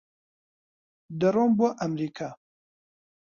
دەڕۆم بۆ ئەمریکا.